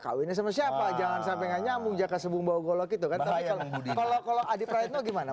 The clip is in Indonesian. kawinnya sama siapa jangan sampai nyamuk jaka sebum bau golok itu kalau kalau adik gimana